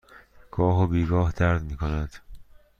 گاه و بیگاه درد می کند.